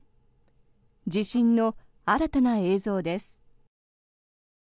地震の新たな映像です。